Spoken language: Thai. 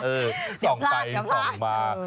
เออมีส่องไปส่องมา